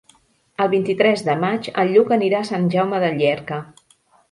El vint-i-tres de maig en Lluc anirà a Sant Jaume de Llierca.